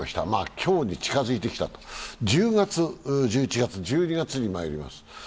今日に近づいてきたと、１０月、１１月、１２月にまいります。